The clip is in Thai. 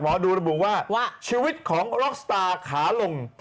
ดูระบุว่าชีวิตของล็อกสตาร์ขาลง